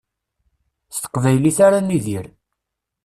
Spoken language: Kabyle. S teqbaylit ara nidir.